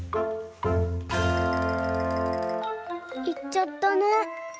いっちゃったね。